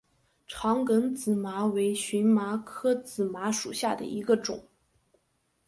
长梗紫麻为荨麻科紫麻属下的一个种。